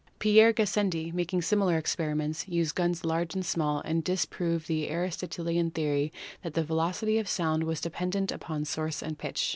Pierre Gassendi, making similar experiments, used guns large and small and disproved the Aristotelian theory that the velocity of sound was dependent upon source and pitch.